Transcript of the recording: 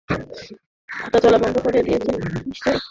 হাঁটাচলা বন্ধ করে দিয়েছে নিশ্চয়ই।